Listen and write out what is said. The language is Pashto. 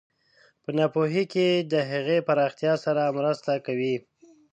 په ناپوهۍ کې د هغې پراختیا سره مرسته کوي.